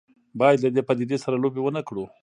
باید له دې پدیدې سره لوبې ونه کړو.